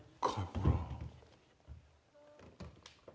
ほら。